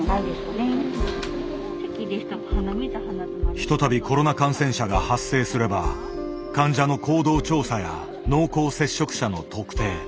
ひとたびコロナ感染者が発生すれば患者の行動調査や濃厚接触者の特定